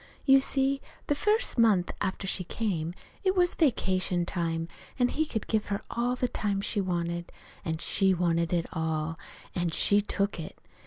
"You see, the first month after she came, it was vacation time, an' he could give her all the time she wanted. An' she wanted it all. An' she took it.